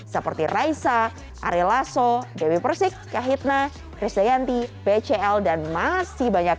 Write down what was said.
seperti raisa ari lasso dewi persik kahitna chris deyanti bcl dan masih banyak lagi